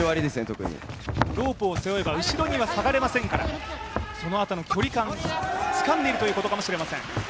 ロープを背負えば後ろには下がれませんから、そのあとの距離感をつかんでいるということかもしれません。